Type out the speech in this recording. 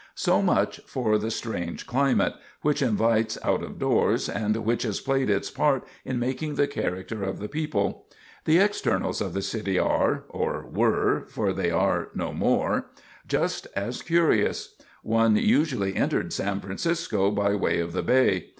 So much for the strange climate, which invites out of doors and which has played its part in making the character of the people. The externals of the city are or were, for they are no more just as curious. One usually entered San Francisco by way of the Bay.